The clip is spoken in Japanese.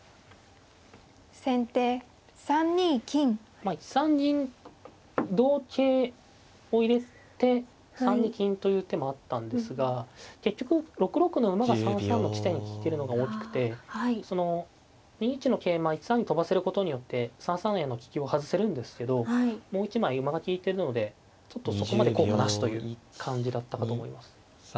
まあ１三銀同桂を入れて３二金という手もあったんですが結局６六の馬が３三の地点に利いてるのが大きくて２一の桂馬１三に跳ばせることによって３三への利きを外せるんですけどもう一枚馬が利いてるのでちょっとそこまで効果なしという感じだったかと思います。